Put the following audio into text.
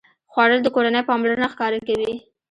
خوړل د کورنۍ پاملرنه ښکاره کوي